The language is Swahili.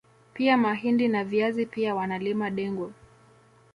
Pia mahindi na viazi pia wanalima dengu